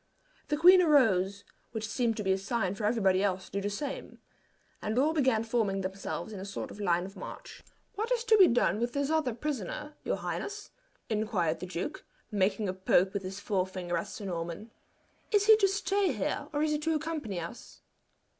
The queen arose, which seemed to be a sign for everybody else to do the same, and all began forming themselves in a sort of line of march. "What is to be done with this other prisoner, your highness?" inquired the duke, making a poke with his forefinger at Sir Norman. "Is he to stay here, or is he to accompany us?"